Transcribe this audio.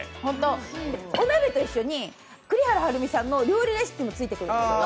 お鍋と一緒に栗原はるみさんの料理レシピもついてくるんです。